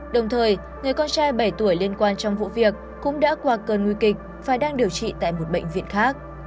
đồng thời người con trai bảy tuổi liên quan trong vụ việc cũng đã qua cơn nguy kịch phải đang điều trị tại một bệnh viện khác